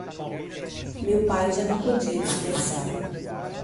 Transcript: meu pai já não podia dispensá-lo.